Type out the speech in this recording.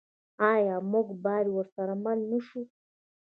آیا موږ باید ورسره مل نشو؟